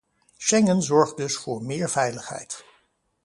Schengen zorgt dus voor meer veiligheid.